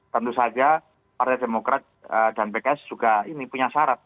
tentu saja partai demokrat dan pks juga ini punya syarat